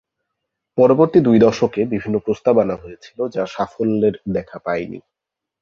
পরবর্তী দুই দশকে বিভিন্ন প্রস্তাব আনা হয়েছিল, যা সাফল্যের দেখা পায়নি।